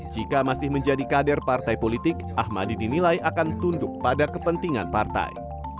jika masih menjadi kader partai politik ahmadi dinilai akan tunduk pada kepentingan partai